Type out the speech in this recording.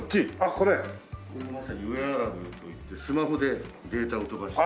これがまさにウェアラブルといってスマホでデータを飛ばして。